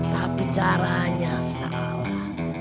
tapi caranya salah